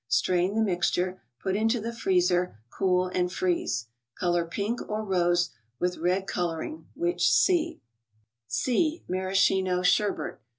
Strain the mixture; put into the freezer, cool and freeze. Color pink or rose, with " Red Coloring," which see. C— MARASCHINO SHERBET.